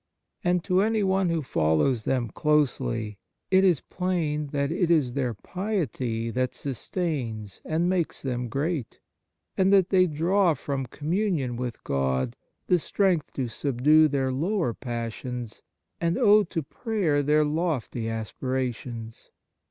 And to anyone who follows them closely, it is plain that it is their piety that 12 The Nature of Piety sustains and makes them great, and that they draw from communion with God the strength to subdue their lower passions, and owe to prayer their lofty aspirations.